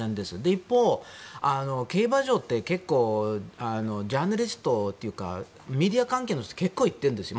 一方、競馬場って結構ジャーナリストというかメディア関係の人が結構、行ってるんですよ。